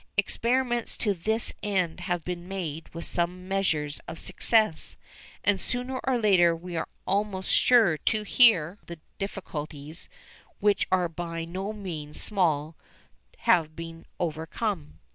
Experiments to this end have been made with some measure of success, and sooner or later we are almost sure to hear that the difficulties, which are by no means small, have been overcome.